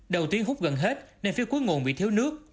đầu tuyến hút gần hết nên phía cuối nguồn bị thiếu nước